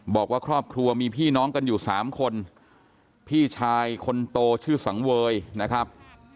บอกว่าครอบครัวมีพี่น้องกันอยู่สามคนพี่ชายคนโตชื่อสังเวยนะครับ